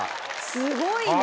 すごいね。